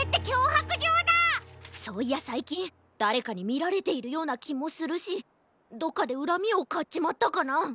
そういやさいきんだれかにみられているようなきもするしどっかでうらみをかっちまったかな？